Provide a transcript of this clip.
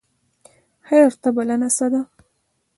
خیر ته بلنه څه ده؟